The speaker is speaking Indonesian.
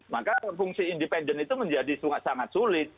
maka fungsi independen itu menjadi sangat sulit